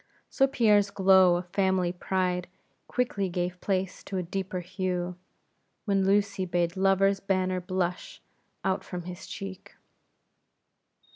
So Pierre's glow of family pride quickly gave place to a deeper hue, when Lucy bade love's banner blush out from his cheek.